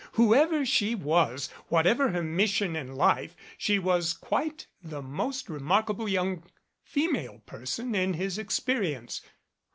Whoever she was, whatever her mission in life, she was quite the most remarkable young female person in his experience.